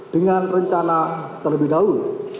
dengan rencana terlebih dahulu